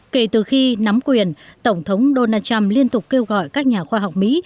kể từ khi nắm quyền tổng thống donald trump liên tục kêu gọi các nhà khoa học mỹ